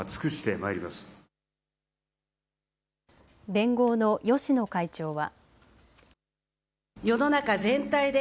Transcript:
連合の芳野会長は。